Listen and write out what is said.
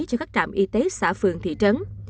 cho các trạm y tế xã phường thị trấn